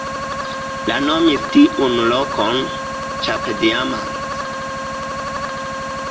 Li nomis tiun lokon "Cap-Diamant".